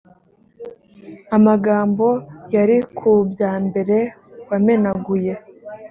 amagambo yari ku bya mbere wamenaguye;